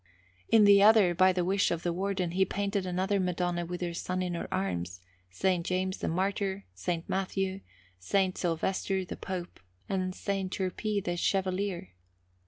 In the other, by the wish of the Warden, he painted another Madonna with her Son in her arms, S. James the Martyr, S. Matthew, S. Sylvester the Pope, and S. Turpè the Chevalier.